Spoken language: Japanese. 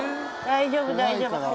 大丈夫大丈夫。